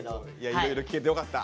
いろいろ聞けてよかった。